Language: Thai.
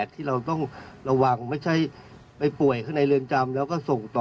ที่เราต้องระวังไม่ใช่ไปป่วยข้างในเรือนจำแล้วก็ส่งต่อ